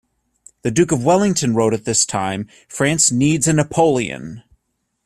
The Duke of Wellington wrote at this time, France needs a Napoleon!